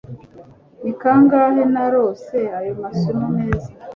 ni kangahe narose ayo masano meza